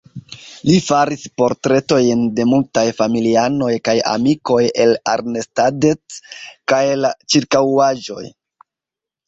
Li faris portretojn de multaj familianoj kaj amikoj el Arnstadt kaj la ĉirkaŭaĵoj.